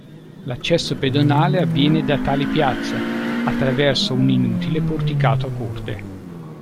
L'accesso pedonale avviene da tale piazza, attraverso un inutile porticato a corte.